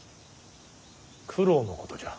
九郎のことじゃ。